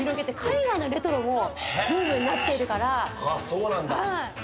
そうなんだ。